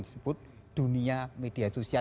disebut dunia media sosial